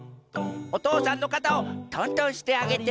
おとうさんのかたをとんとんしてあげて。